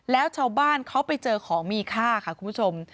แล้วชาวบ้านเขาไปเจอของมีค่าค่ะคุณผู้ชม